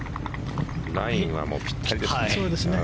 ラインはぴったりですね。